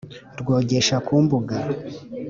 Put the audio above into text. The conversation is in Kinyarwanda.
. Rwogesha ku mbuga,